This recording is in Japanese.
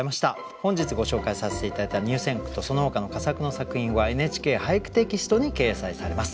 本日ご紹介させて頂いた入選句とそのほかの佳作の作品は「ＮＨＫ俳句テキスト」に掲載されます。